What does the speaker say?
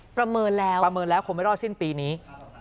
ประเมินแล้วคงไม่รอดสิ้นปีนี้